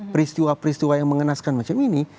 peristiwa peristiwa yang mengenaskan macam ini